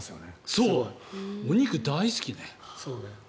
そう、お肉大好きね。